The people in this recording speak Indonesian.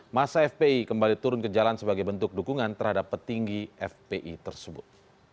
masa fpi kembali turun ke jalan sebagai bentuk dukungan terhadap petinggi fpi tersebut